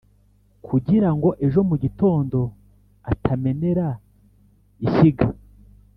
kugira ngo ejo mu gitondo atamenera ishyiga